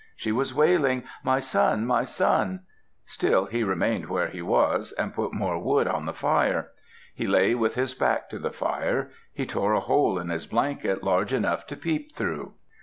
She was wailing, "My son! my son!" Still he remained where he was, and put more wood on the fire. He lay with his back to the fire. He tore a hole in his blanket large enough to peep through.